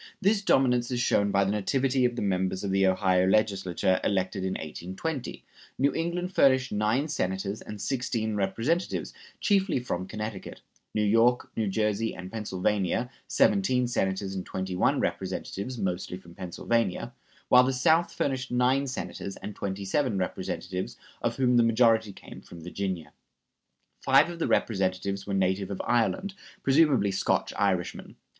This dominance is shown by the nativity of the members of the Ohio legislature elected in 1820: New England furnished nine Senators and sixteen Representatives, chiefly from Connecticut; New York, New Jersey, and Pennsylvania, seventeen Senators and twenty one Representatives, mostly from Pennsylvania; while the South furnished nine Senators and twenty seven Representatives, of whom the majority came from Virginia. Five of the Representatives were native of Ireland, presumably Scotch Irishmen.